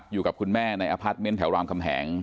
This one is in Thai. อยู่กับคุณแม่ในอพาร์ทเมนต์แถวรามคำแหง